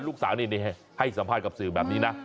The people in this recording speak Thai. ลูกสาวนี่ให้สัมภาษณ์กับสื่อแบบนี้นะ